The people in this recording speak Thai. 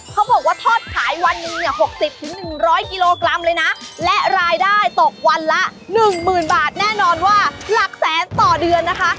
เขาบอกว่าทอดขายวันนี้เนี่ย๖๐๑๐๐กิโลกรัมเลยนะและรายได้ตกวันละหนึ่งหมื่นบาทแน่นอนว่าหลักแสนต่อเดือนนะคะ